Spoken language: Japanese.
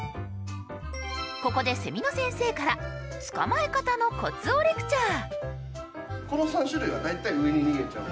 ここでセミの先生から捕まえ方のコツをレクチャー。